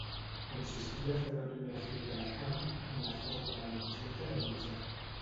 Consistia a fer una primera figura de fang amb la forma de l'objecte a realitzar.